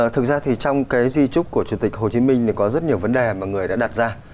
thực ra thì trong cái di trúc của chủ tịch hồ chí minh thì có rất nhiều vấn đề mà người đã đặt ra